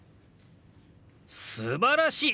すばらしい！